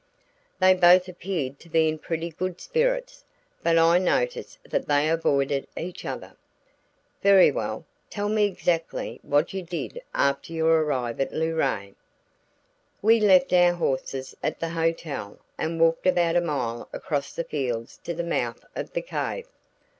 "They both appeared to be in pretty good spirits, but I noticed that they avoided each other." "Very well, tell me exactly what you did after you arrived at Luray." "We left our horses at the hotel and walked about a mile across the fields to the mouth of the cave.